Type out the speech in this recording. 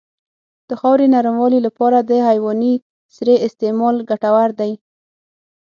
د خاورې نرموالې لپاره د حیواني سرې استعمال ګټور دی.